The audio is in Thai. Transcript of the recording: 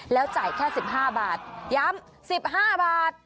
แล้วจ่ายแค่๑๕บาทย้ำ๑๕บาท